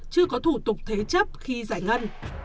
chưa có thủ tục thế chấp khi giải ngân